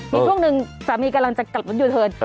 มีทุกนึงสามีกำลังจะกลับรถอยู่ทิวน